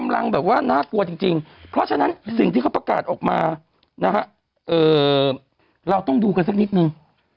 แล้วกันว่าตอนเนี้ยกำลังฟุ๊ล่ะล่ะต้องดูกันสักนิดนึง